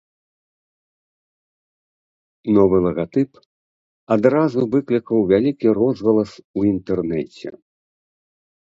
Новы лагатып адразу выклікаў вялікі розгалас у інтэрнэце.